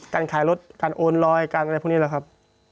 การขายรถการโอนลอยการอะไรพวกนี้แหละครับ